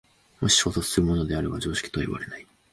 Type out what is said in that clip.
もし衝突するものであれば常識とはいわれない。